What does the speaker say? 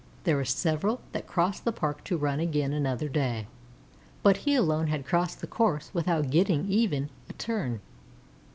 There were several that crossed the Park to run again another day, but he alone had crossed the course without getting even a turn.